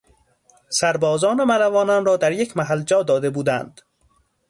سربازان و ملوانان را در یک محل جا داده بودند.